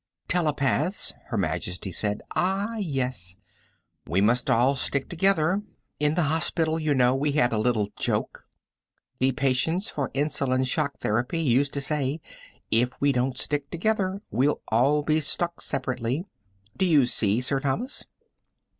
"Telepaths," Her Majesty said. "Ah, yes. We must all stick together. In the hospital, you know, we had a little joke the patients for Insulin Shock Therapy used to say: 'If we don't stick together, we'll all be stuck separately.' Do you see, Sir Thomas?"